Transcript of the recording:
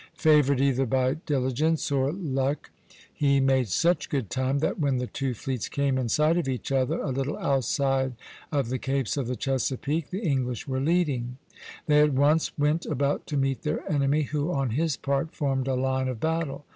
Favored either by diligence or luck, he made such good time that when the two fleets came in sight of each other, a little outside of the capes of the Chesapeake, the English were leading (Plate XII., A, A). They at once went about to meet their enemy, who, on his part, formed a line of battle.